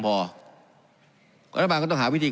การปรับปรุงทางพื้นฐานสนามบิน